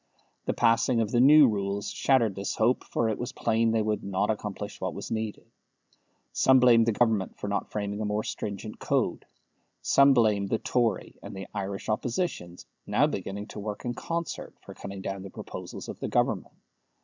The passing of the New Rules shattered this hope, for it was plain they would not accomplish what was needed. Some blamed the Government for not framing a more stringent code. Some blamed the Tory and the Irish Oppositions (now beginning to work in concert) for cutting down the proposals of the Government.